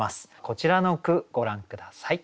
こちらの句ご覧下さい。